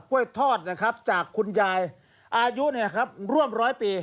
้วยทอดนะครับจากคุณยายอายุร่วมร้อยปี